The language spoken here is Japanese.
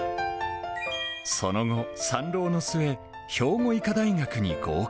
その後、３浪の末、兵庫医科大学に合格。